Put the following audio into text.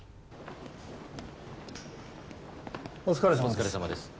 お疲れさまです。